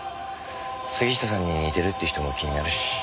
杉下さんに似てるって人も気になるし。